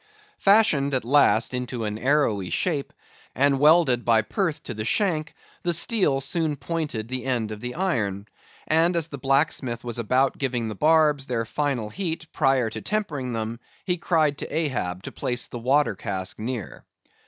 Fashioned at last into an arrowy shape, and welded by Perth to the shank, the steel soon pointed the end of the iron; and as the blacksmith was about giving the barbs their final heat, prior to tempering them, he cried to Ahab to place the water cask near.